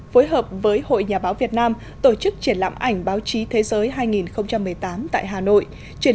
phối hợp với hội nhà báo việt nam tổ chức triển lãm ảnh báo chí thế giới hai nghìn một mươi tám tại hà nội